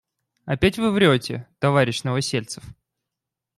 Опять Вы врете, товарищ Новосельцев.